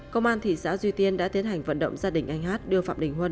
công an thị xã duy tiên đã tiến hành vận động gia đình anh hát đưa phạm đình huân